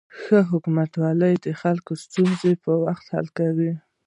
ښه حکومتولي د خلکو ستونزې په وخت حل کوي.